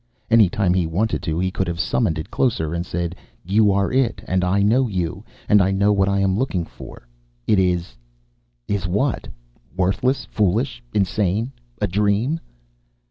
Any time he wanted to, he could have summoned it closer and said, _You are it, and I know you, and I know what I am looking for. It is...? Is what? Worthless? Foolish? Insane? A dream?